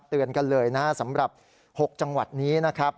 เตือนกันเลยนะครับสำหรับ๖จังหวัดนี้นะครับ